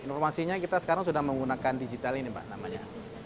informasinya kita sekarang sudah menggunakan digital ini pak namanya